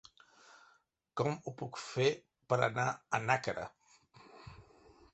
Com ho puc fer per anar a Nàquera?